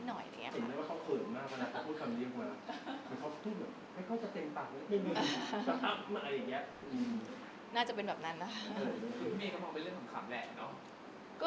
ให้เค้าก็จะเต็มปัง